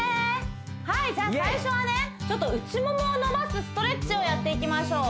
はいじゃあ最初はねちょっと内ももを伸ばすストレッチをやっていきましょう